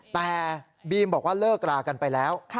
แต่บีมบอกว่าเลิกรากันไปแล้ว